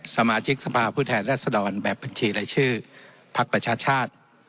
สมาชิกสภาพผู้แทนรัศดรแบบบัญชีรายชื่อพักประชาชาติ